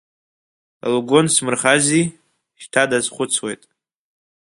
Лгәы нсмырхази, шьҭа дазхәыцуеит…